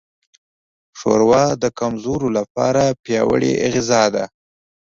ښوروا د کمزورو لپاره پیاوړې غذا ده.